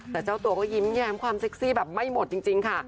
แต่เจ้าตัวก็ยิ้มแย้มความเซ็กซี่แบบไม่หมดจริงค่ะ